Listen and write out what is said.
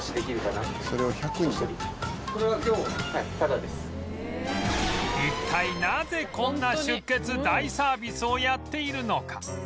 大体一体なぜこんな出血大サービスをやっているのか？